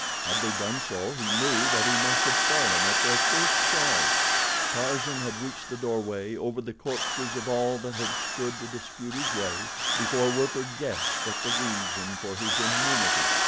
Had they done so he knew that he must have fallen at the first charge. Tarzan had reached the doorway over the corpses of all that had stood to dispute his way, before Werper guessed at the reason for his immunity.